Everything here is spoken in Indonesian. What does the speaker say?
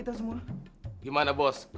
maksudnya bagaimana sih